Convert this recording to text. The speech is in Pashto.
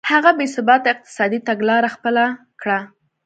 هغه بې ثباته اقتصادي تګلاره خپله کړه.